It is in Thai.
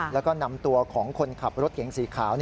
แล้วก็นำตัวของคนขับรถเก๋งสีขาว